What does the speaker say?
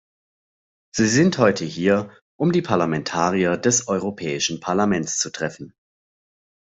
Sie sind heute hier, um die Parlamentarier des Europäischen Parlaments zu treffen.